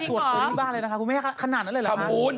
สวดตรงนี้บ้านเลยนะคะคุณแม่ขนาดนั้นเลยหรือคะทำบุญ